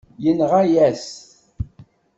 Yenɣa-yas-t.